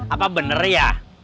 apa bener ya